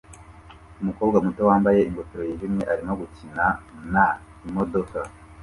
Umukobwa muto wambaye ingofero yijimye arimo gukina na imodoka